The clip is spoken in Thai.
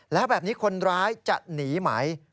แล้วแบบนี้คนร้ายจะหนีไหม